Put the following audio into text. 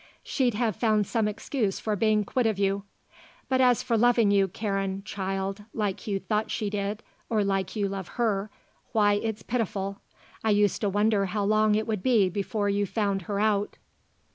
She'd have found some excuse for being quit of you. But as for loving you, Karen child, like you thought she did, or like you love her, why it's pitiful. I used to wonder how long it would be before you found her out."